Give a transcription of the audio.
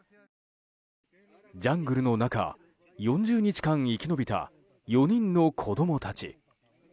ジャングルの中、４０日間生き延びた４人の子供たち。